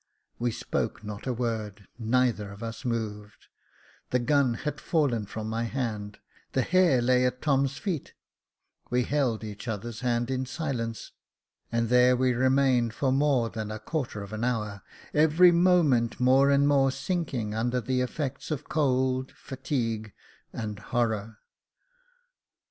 We spoke not a word — neither of us moved ; the gun had fallen from my hand ; the hare lay at Tom's feet ; we held each other's hand in silence, and there we remained for more than a quarter of an hour, every moment more and more sinking under the effects of cold, fatigue, and horror.